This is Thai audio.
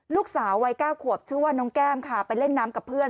ลูกสาววัย๙ขวบชื่อว่าน้องแก้มค่ะไปเล่นน้ำกับเพื่อน